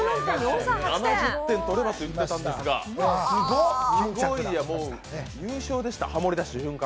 ７０点取ればと言ってたんすが、すごいや優勝でした、ハモりだした瞬間。